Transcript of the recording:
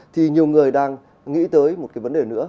thì nhiều người đang nghĩ tới một cái vấn đề nữa